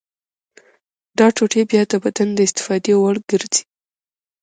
دا ټوټې بیا د بدن د استفادې وړ ګرځي.